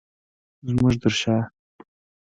زمونږ تر شاه